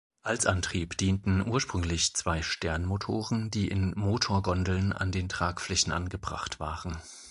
Als Antrieb dienten ursprünglich zwei Sternmotoren, die in Motorgondeln an den Tragflächen angebracht waren.